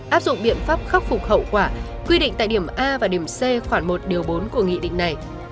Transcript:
áp dụng biện pháp khắc phục hậu quả quy định tại điểm a và điểm c khoảng một điều bốn của nghị định này